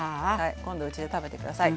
今度うちで食べて下さい。